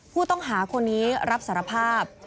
ผู้ต้องหาคนนี้รับสารภาพ